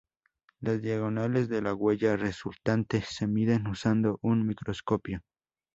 Las diagonales de la huella resultante se miden usando un microscopio.